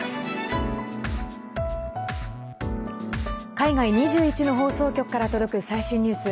海外２１の放送局から届く最新ニュース。